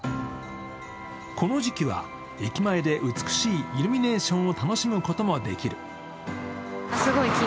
この時期は駅前で美しいイルミネーションを楽しむこともできる。